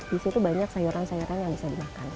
di situ banyak sayuran sayuran yang bisa dimakan